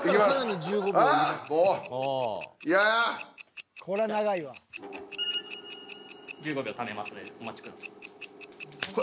１５秒ためますんでお待ちください。